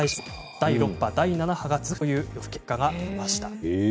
第６波、第７波が続くという予測結果が出ました。